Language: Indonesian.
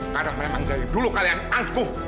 karena memang dari dulu kalian angkuh